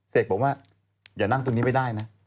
บอกว่าอย่านั่งตรงนี้ไม่ได้นะ